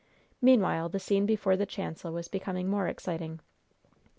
Meanwhile, the scene before the chancel was becoming more exciting.